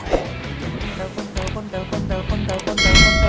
seseorang gabung aja gue lagi asyik asyik tidur